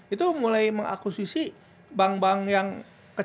itu mulai mengakustkan bank bank besar yang buna yang untuk nyalahin bank bank besar